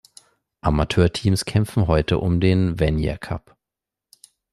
Amateurteams kämpfen heute um den Vanier Cup.